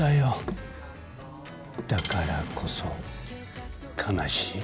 だからこそ悲しい。